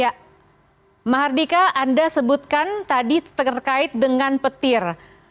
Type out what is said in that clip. ya mahardika anda sebutkan tadi terkait dengan petir